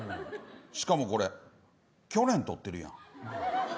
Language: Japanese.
しかもこれ去年取ってるやん。